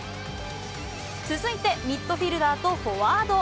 続いてミッドフィールダーとフォワード。